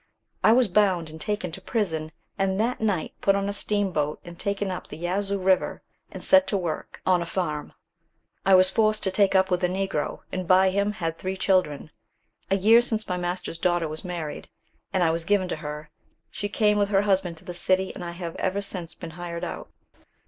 I was bound and taken to prison, and that night put on a steamboat and taken up the Yazoo river, and set to work on a farm. I was forced to take up with a Negro, and by him had three children. A year since my master's daughter was married, and I was given to her. She came with her husband to this city, and I have ever since been hired out."